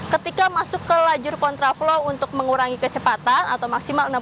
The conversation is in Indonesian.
ketika masuk ke lajur kontraflow untuk mengurangi kecepatan atau maksimal enam puluh km per jam